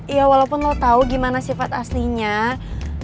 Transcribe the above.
iya walaupun lo tau gimana sifat asli mel